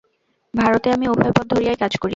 ভারতে আমি উভয় পথ ধরিয়াই কাজ করি।